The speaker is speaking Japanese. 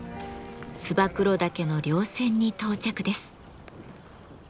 燕岳の稜線に到着です。